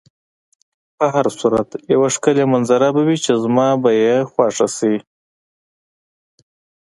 په هر صورت یوه ښکلې منظره به وي چې زما به یې خوښه شي.